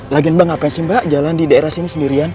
lagi nembang apa sih mbak jalan di daerah sini sendirian